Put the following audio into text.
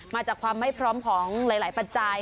มาจากความไม่พร้อมของหลายปัจจัย